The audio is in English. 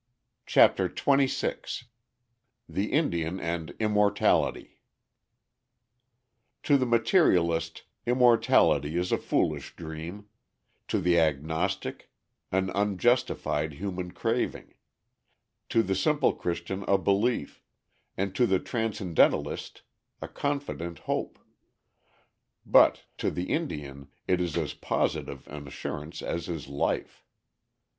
CHAPTER XXVI THE INDIAN AND IMMORTALITY To the materialist immortality is a foolish dream, to the agnostic an unjustified human craving, to the simple Christian a belief, and to the transcendentalist a confident hope, but to the Indian it is as positive an assurance as is life.